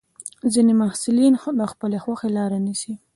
ځینې محصلین د خپلې خوښې لاره نیسي.